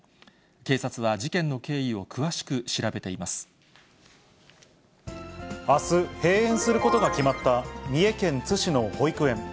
警察は事件の経緯を詳しく調べてあす、閉園することが決まった三重県津市の保育園。